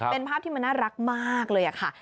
เป็นภาพที่มันน่ารักมากเลยค่ะ